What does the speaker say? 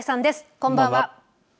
こんばんは。